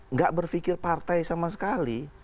nggak berpikir partai sama sekali